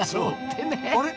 あれ？